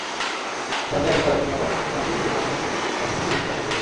দরজায় বেল বাজাতেই লম্বা-ফরসা সোনালি চুলের মাঝবয়সী একজন পুরুষ দরজা খুলে দিলেন।